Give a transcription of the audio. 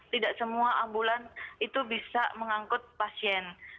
tidak semua ambulan itu bisa mengangkut pasien